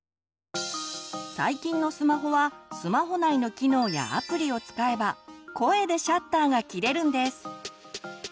最近のスマホはスマホ内の機能やアプリを使えば声でシャッターがきれるんです。